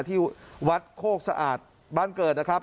ที่วัดโคกสะอาดบ้านเกิดนะครับ